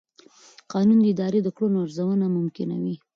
قانون د ادارې د کړنو ارزونه ممکنوي.